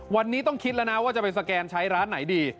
วันนี้ต้องคิดแล้วนะว่าจะไปสแกนใช้ร้านไหนดี